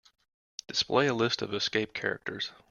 Display a list of escape characters.